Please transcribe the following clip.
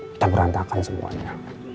kita berantakan semuanya